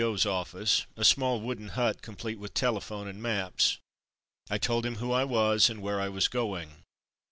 O.'s office, a small wooden hut complete with telephone and maps. I told him who I was, and where I was going.